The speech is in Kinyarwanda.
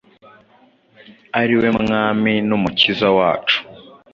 ari we Mwami n’Umukiza wacu